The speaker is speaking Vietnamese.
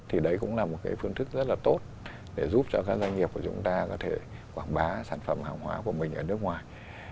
thì đấy cũng là một cái phương thức rất là tốt để giúp cho các doanh nghiệp của chúng ta có thể quảng bá sản phẩm hàng hóa của mình ở nước ngoài